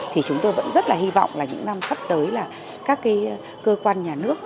thì chúng tôi vẫn rất là hy vọng là những năm sắp tới là các cơ quan nhà nước